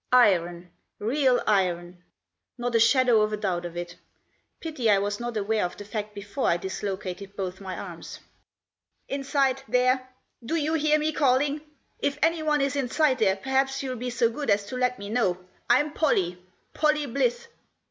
" Iron, real iron ! Not a shadow of a doubt of it. Pity I was not aware of the fact before I dislocated Digitized by f fiE SHUTTING OF A DOOB. 105 both my arms. Inside there! Do you hear me calling ? If anyone is inside there, perhaps you'll be so good as to let me know. I'm Pollie! Pollie Blyth!"